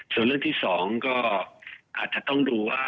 ส่วนเรื่องที่๒ก็อาจจะต้องดูว่า